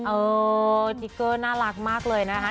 เออสติ๊กเกอร์น่ารักมากเลยนะคะ